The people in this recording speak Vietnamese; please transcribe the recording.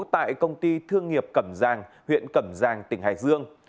tại công ty thương nghiệp cẩm giang huyện cẩm giang tỉnh hải dương